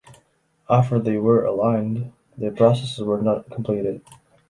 After they were aligned, the processes were not completed.